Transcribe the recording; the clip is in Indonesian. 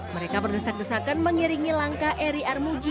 mereka berdesak desakan mengiringi langkah eri armuji